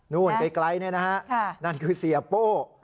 ไกลนี่นะฮะนั่นคือเสียโป้